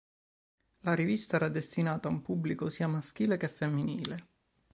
La rivista era destinata ad un pubblico sia maschile sia femminile.